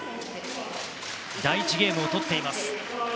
第１ゲームを取っています。